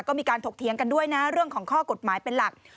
ก็มีการถกเถียงกันด้วยนะเรื่องของข้อกฎหมายเป็นหลัก